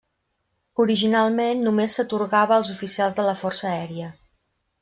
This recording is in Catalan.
Originalment només s'atorgava als oficials de la Força Aèria.